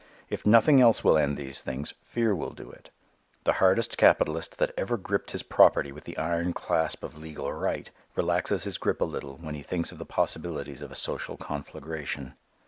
If nothing else will end these things, fear will do it. The hardest capitalist that ever gripped his property with the iron clasp of legal right relaxes his grasp a little when he thinks of the possibilities of a social conflagration.